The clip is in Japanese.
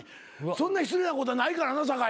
そんな失礼なことはないからな酒井。